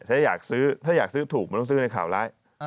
ถ้าอยากซื้อถูกมันต้องซื้อในข่าวร้าย